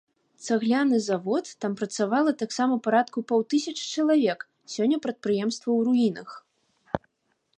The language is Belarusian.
Цагляны завод, там працавала таксама парадку паўтысячы чалавек, сёння прадпрыемства ў руінах.